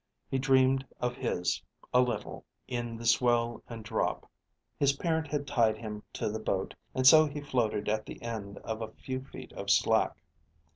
He dreamed of his, a little, in the swell and drop. His parent had tied him to the boat, and so he floated at the end of a few feet of slack.